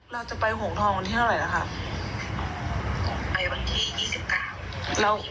เราจะไปห่วงทองวันที่เมื่อไหนนะครับ